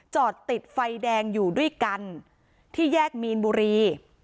จอดติดไฟแดงอยู่ด้วยกันที่แยกมีนบุรี